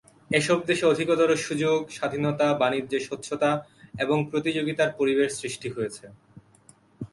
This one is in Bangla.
এসব দেশে অধিকতর সুযোগ, স্বাধীনতা, বাণিজ্যে স্বচ্ছতা এবং প্রতিযোগিতার পরিবেশ সৃষ্টি হয়েছে।